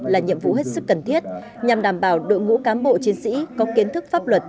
là nhiệm vụ hết sức cần thiết nhằm đảm bảo đội ngũ cán bộ chiến sĩ có kiến thức pháp luật